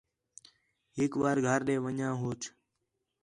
ہِک وار گھر ݙے ون٘ڄاں ہوچ